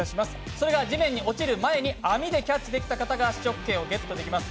それが地面に落ちる前に網でキャッチできた方が試食権をゲットできます。